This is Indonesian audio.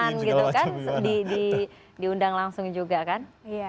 kan gitu kan diundang langsung juga kan